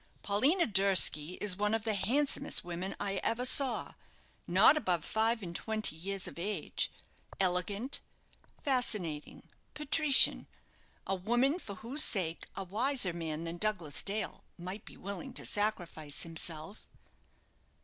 "Paulina Durski is one of the handsomest women I ever saw; not above five and twenty years of age elegant, fascinating, patrician a woman for whose sake a wiser man than Douglas Dale might be willing to sacrifice himself."